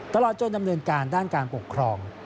ตลอดจนดำเนินการด้านการปกครอง